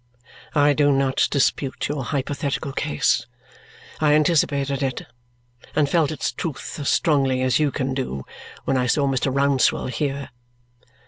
I do not dispute your hypothetical case. I anticipated it, and felt its truth as strongly as you can do, when I saw Mr. Rouncewell here.